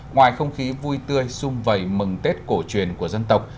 ngoài không khí vui tươi xung vầy mừng tết cổ truyền của dân tộc